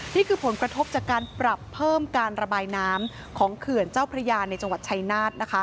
นี่คือผลกระทบจากการปรับเพิ่มการระบายน้ำของเขื่อนเจ้าพระยาในจังหวัดชายนาฏ